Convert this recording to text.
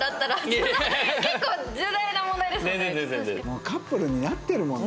もうカップルになってるもんな。